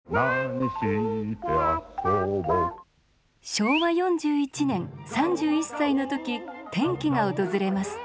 昭和４１年３１歳の時転機が訪れます。